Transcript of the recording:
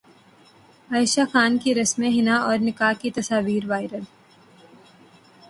عائشہ خان کی رسم حنا اور نکاح کی تصاویر وائرل